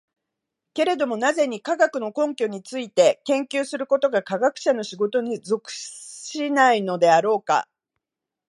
けれども何故に、科学の根拠について研究することが科学者の仕事に属しないのであろうか。